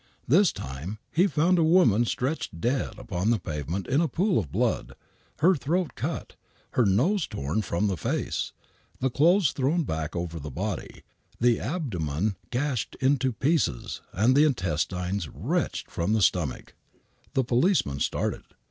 This time he found a woman stretched dead upon the pavement in a pool of blood, her throat cut,, her nose torn from the face, the clothes thrown back over llie body, the abdomen gashed into pieces and the intestines wrenched from the stomach. The policeman started.